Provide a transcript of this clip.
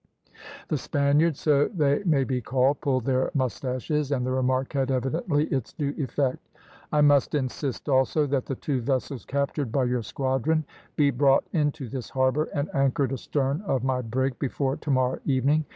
The Spaniards, so they may be called, pulled their moustaches, and the remark had, evidently, its due effect. "I must insist, also, that the two vessels captured by your squadron be brought into this harbour and anchored astern of my brig before to morrow evening.